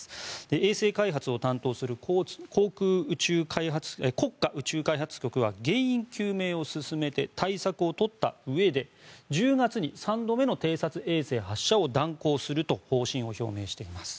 衛星開発を担当する国家宇宙開発局は原因究明を進めて対策を取ったうえで１０月に３度目の偵察衛星発射を断行すると方針を表明しています。